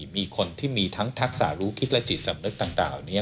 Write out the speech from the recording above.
มีคนที่มีทั้งทักษะรู้คิดและจิตสำนึกต่างนี้